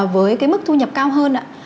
với cái mức thu nhập cao hơn